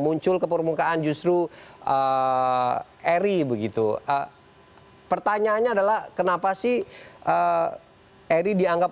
muncul ke permukaan justru eri begitu pertanyaannya adalah kenapa sih eri dianggap